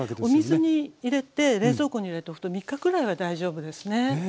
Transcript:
お水に入れて冷蔵庫に入れとくと３日くらいは大丈夫ですね。